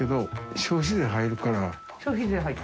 消費税入って？